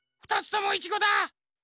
２つともいちごだ！